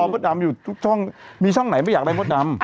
ถ้าเขายังอยากเรียกเขา